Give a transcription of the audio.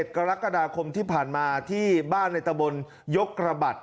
กรกฎาคมที่ผ่านมาที่บ้านในตะบนยกกระบัด